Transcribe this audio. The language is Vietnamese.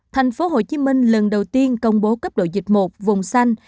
thành phố hồ chí minh lần đầu tiên công bố cấp độ dịch một vùng xanh